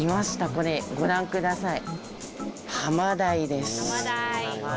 これご覧ください。